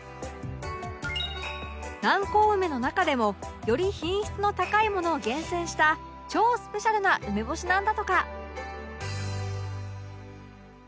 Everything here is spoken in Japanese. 南高梅の中でもより品質の高いものを厳選した超スペシャルな梅干しなんだとか